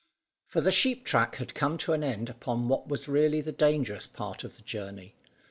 For the sheep track had come to an end upon what was really the dangerous part of the journey.